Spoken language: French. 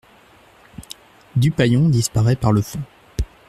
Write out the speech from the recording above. Dupaillon disparaît par le fond.